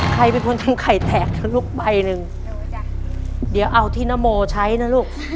ใครเป็นคนทำไข่แตกนะลูกใบหนึ่งเดี๋ยวเอาที่นโมใช้นะลูก